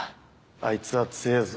あいつは強えぞ。